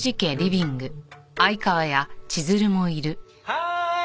はーい！